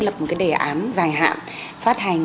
lập một cái đề án dài hạn phát hành